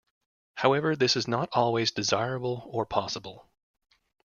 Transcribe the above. However, this is not always desirable or possible.